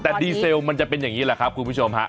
แต่ดีเซลมันจะเป็นอย่างนี้แหละครับคุณผู้ชมฮะ